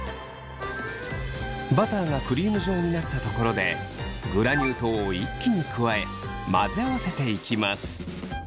バターがクリーム状になったところでグラニュー糖を一気に加え混ぜ合わせていきます。